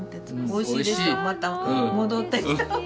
おいしいでしょまた戻ってきた。